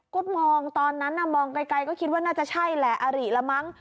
ก็มองตอนนั้นมองไกลก็คิดว่าน่าจะใช่แหละอาริละมั้ง